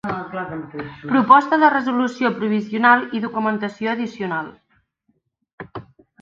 Proposta de resolució provisional i documentació addicional.